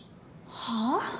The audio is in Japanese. はあ？